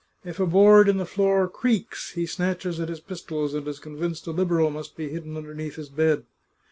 If a board in the floor creaks he snatches at his pistols and is convinced a Liberal must be hidden un derneath his bed.